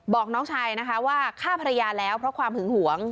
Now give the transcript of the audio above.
บอกน้องชายนะคะว่าฆ่าภรรยาแล้วเพราะความหึงหวง